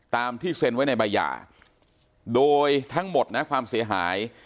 ตามที่เซ็นไว้ในใบหย่าโดยทั้งหมดนะความเสียหาย